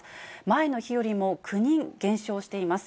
前の日よりも９人減少しています。